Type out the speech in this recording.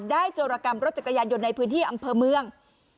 โจรกรรมรถจักรยานยนต์ในพื้นที่อำเภอเมือง